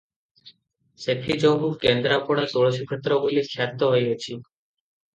ସେଥିଯୋଗୁଁ କେନ୍ଦରାପଡ଼ା ତୁଳସୀକ୍ଷେତ୍ର ବୋଲି ଖ୍ୟାତ ହୋଇଅଛି ।